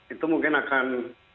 itu mungkin akan